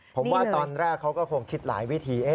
ผมว่าตอนแรกเขาก็คงคิดหลายวิธี